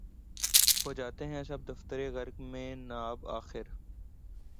ہو جاتے ہیں سب دفتر غرق مے ناب آخر